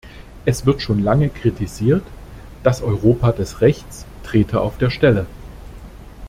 Es wird schon lange kritisiert, das Europa des Rechts trete auf der Stelle.